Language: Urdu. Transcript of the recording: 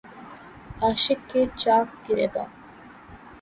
عاشق کے چاک گریباں